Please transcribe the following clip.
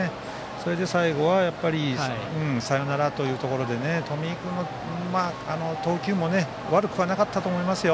それで最後はサヨナラということで冨井君の投球も悪くはなかったと思います。